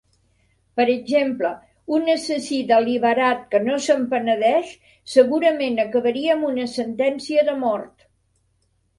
Per exemple, un assassí deliberat que no se'n penedeix segurament acabaria amb una sentència de mort.